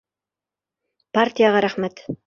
Партияға рәхмәт.